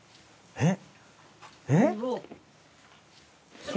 えっ！